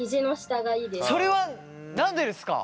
それは何でですか！